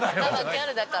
ギャルだから？